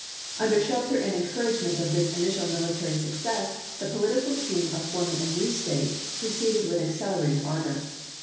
Under shelter and encouragement of this initial military success, the political scheme of forming a new State proceeded with accelerated ardor.